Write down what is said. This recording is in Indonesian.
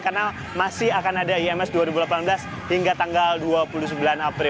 karena masih akan ada ims dua ribu delapan belas hingga tanggal dua puluh sembilan april dua ribu delapan belas